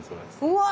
うわ！